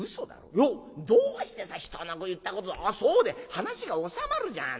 「いやどうしてさ人の言ったことを『あっそう』で話が収まるじゃん。